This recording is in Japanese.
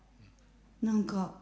何か。